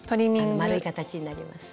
丸い形になります。